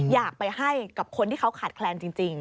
อยากไปให้กับคนที่เขาขาดแคลนจริง